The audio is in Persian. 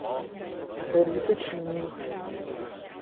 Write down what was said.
سرویس چینی